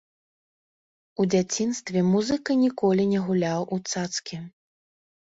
У дзяцінстве музыка ніколі не гуляў у цацкі.